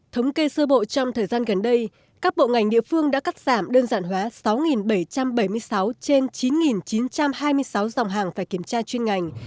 thống kê sơ bộ trong thời gian gần đây các bộ ngành địa phương đã cắt giảm đơn giản hóa sáu bảy trăm bảy mươi sáu trên chín chín trăm hai mươi sáu dòng hàng phải kiểm tra chuyên ngành